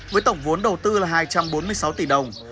với tổng vốn đầu tư là hai trăm bốn mươi sáu tỷ đồng